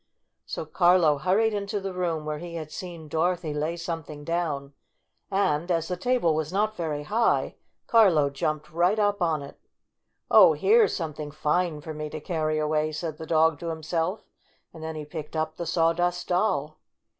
So Carlo hurried into the room where he had seen Dorothy lay something down, and, as the table was not very high, Carlo jumped right up on it. "Oh, here's something fine for me to carry away!" said the dog to himself, and then he picked up the Sawdust Doll.